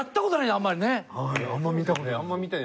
あんま見た事ない。